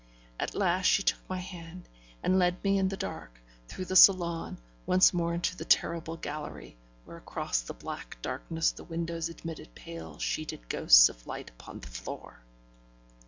At last she took my hand, and led me in the dark, through the salon, once more into the terrible gallery, where across the black darkness the windows admitted pale sheeted ghosts of light upon the floor.